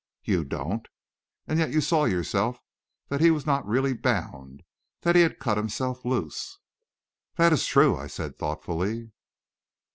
"You don't? And yet you saw yourself that he was not really bound that he had cut himself loose!" "That is true," I said, thoughtfully.